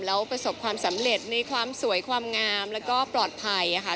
แล้วประสบความสำเร็จในความสวยความงามแล้วก็ปลอดภัยค่ะ